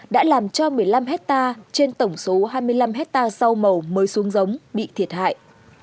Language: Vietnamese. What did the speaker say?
đã làm cho một mươi năm hectare trên tổng số hai mươi năm hectare rau màu mới xuống giống bị thiệt hại